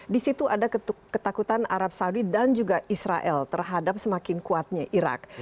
di situ ada ketakutan arab saudi dan juga israel terhadap semakin kuatnya irak